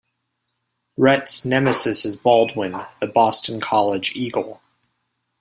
Rhett's nemesis is Baldwin, the Boston College eagle.